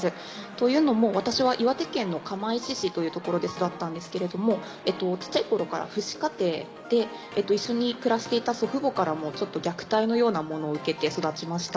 というのも私は岩手県の釜石市という所で育ったんですけれども小っちゃい頃から父子家庭で一緒に暮らしていた祖父母からも虐待のようなものを受けて育ちました。